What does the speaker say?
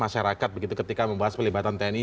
masyarakat begitu ketika membahas pelibatan tni